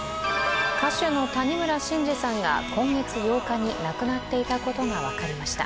歌手の谷村新司さんが今月８日に亡くなっていたことが分かりました。